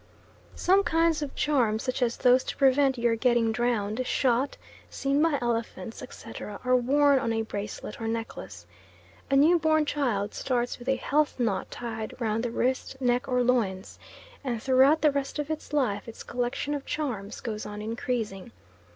Some kinds of charms, such as those to prevent your getting drowned, shot, seen by elephants, etc., are worn on a bracelet or necklace. A new born child starts with a health knot tied round the wrist, neck, or loins, and throughout the rest of its life its collection of charms goes on increasing.